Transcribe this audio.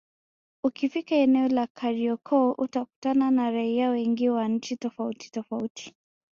Ukifika eneo la Kariakoo utakutana na raia wengi wa nchi tofauti tofauti